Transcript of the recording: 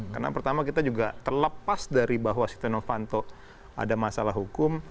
karena pertama kita juga terlepas dari bahwa sidenovanto ada masalah hukum